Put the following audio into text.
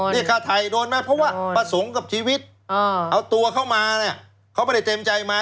ดูดว่าประสงค์กับชีวิตเอาตัวเข้ามาเนี้ยเขาไม่ได้เต็มใจมา